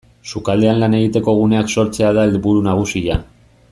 Sukaldean lan egiteko guneak sortzea da helburu nagusia.